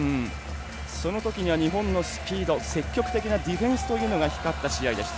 そのときには日本のスピード、積極的なディフェンスが光った試合でした。